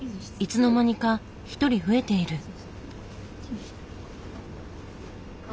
いつの間にか１人増えている。